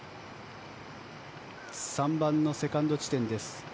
３番のセカンド地点です。